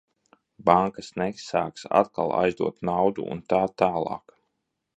Bankas nesāks atkal aizdot naudu un tā tālāk.